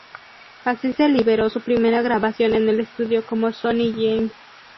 Así se liberó su primera grabación en el estudio como Sonny James.